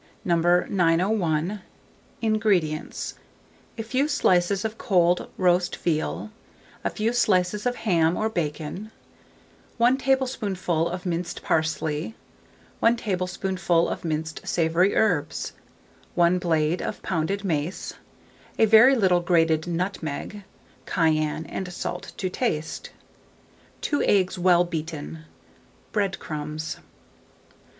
901. INGREDIENTS. A few slices of cold roast veal, a few slices of ham or bacon, 1 tablespoonful of minced parsley, 1 tablespoonful of minced savoury herbs, 1 blade of pounded mace, a very little grated nutmeg, cayenne and salt to taste, 2 eggs well beaten, bread crumbs.